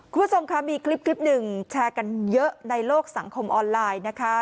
คุณผู้ชมค่ะมีคลิปหนึ่งแชร์กันเยอะในโลกสังคมออนไลน์นะคะ